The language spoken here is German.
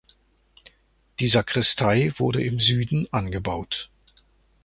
Die Sakristei wurde im Süden angebaut.